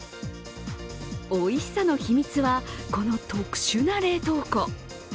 おいしさの秘密はこの特殊な冷凍庫。